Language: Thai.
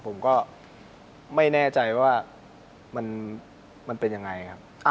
ผมก็ไม่แน่ใจว่ามันเป็นยังไงครับ